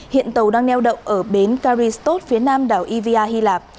hiện tàu đang neo đậu ở bến karistot phía nam đảo ivaa hy lạp